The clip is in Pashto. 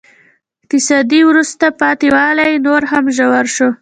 اقتصادي وروسته پاتې والی نور هم ژور شو.